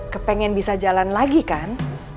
kepengen bisa jalan lagi kan